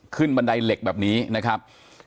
บันไดเหล็กแบบนี้นะครับ